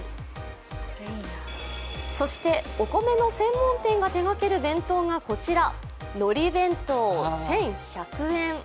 そしてお米の専門店が手がける弁当がこちら、海苔弁当１１００円。